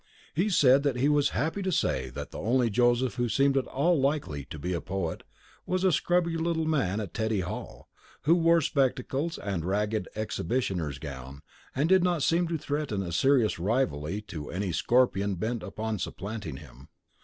He said that he was happy to say that the only Joseph who seemed at all likely to be a poet was a scrubby little man at Teddy Hall, who wore spectacles and a ragged exhibitioner's gown and did not seem to threaten a serious rivalry to any Scorpion bent on supplanting him.